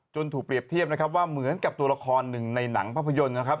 ถูกเปรียบเทียบนะครับว่าเหมือนกับตัวละครหนึ่งในหนังภาพยนตร์นะครับ